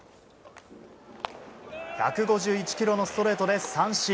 １５１キロのストレートで三振。